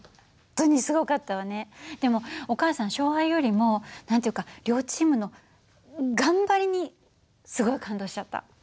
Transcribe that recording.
でもお母さん勝敗よりも何て言うか両チームの頑張りにすごい感動しちゃった。